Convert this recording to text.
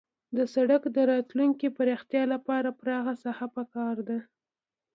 د سرک د راتلونکي پراختیا لپاره پراخه ساحه پکار ده